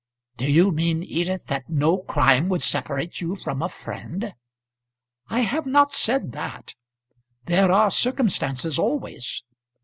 "Do you mean, Edith, that no crime would separate you from a friend?" "I have not said that. There are circumstances always.